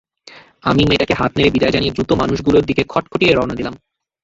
আমি মেয়েটাকে হাত নেড়ে বিদায় জানিয়ে দ্রুত মানুষগুলোর দিকে খটখটিয়ে রওনা দিলাম।